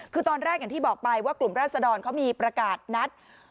คือตอนแรกอย่างที่บอกไปว่ากลุ่มราชดรเขามีประกาศนัด